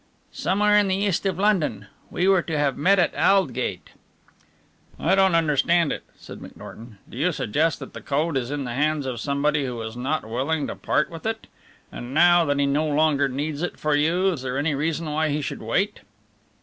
"Somewhere in the East of London. We were to have met at Aldgate." "I don't understand it," said McNorton. "Do you suggest that the code is in the hands of somebody who is not willing to part with it? And now that he no longer needs it for you, is there any reason why he should wait?"